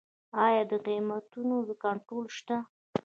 آیا د قیمتونو کنټرول شته؟